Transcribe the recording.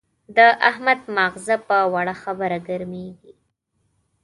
د احمد ماغزه په وړه خبره ګرمېږي.